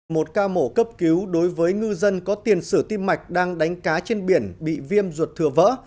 một ca mổ cấp cứu đối với ngư dân có tiền sử tim mạch đang đánh cá trên biển bị viêm ruột thừa vỡ